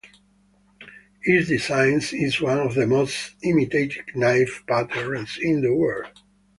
Its design is one of the most imitated knife patterns in the world.